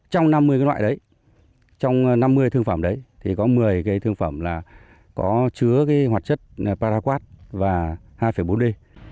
trong năm mươi cái loại đấy trong năm mươi thương phẩm đấy thì có một mươi cái thương phẩm là có chứa cái hoạt chất paraquad và hai bốn d